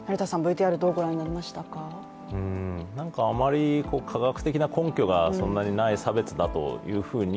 なんかあまり科学的な根拠がそんなにない差別だというふうに